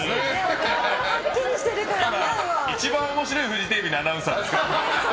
一番面白いフジテレビのアナウンサーですね。